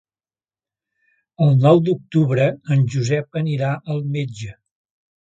El nou d'octubre en Josep anirà al metge.